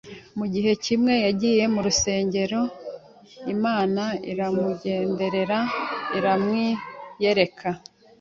igihe kimwe, yagiye mu rusengero Imana iramugenderera iramwiyereka